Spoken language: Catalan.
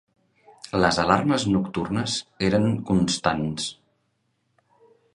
Les alarmes nocturnes eren constants